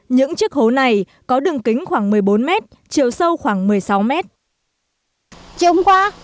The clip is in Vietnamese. những chiếc hố này có đường kính khoảng một mươi bốn m chiều sâu khoảng một mươi sáu m